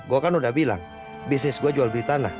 gue kan udah bilang bisnis gue jual beli tanah